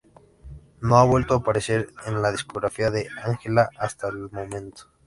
No ha vuelto a parecer en la discografía de Angela hasta el momento.